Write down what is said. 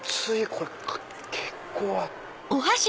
これ結構。